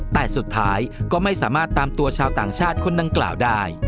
แต่สุดท้ายก็ไม่สามารถตามตัวชาวต่างชาติคนดังกล่าวได้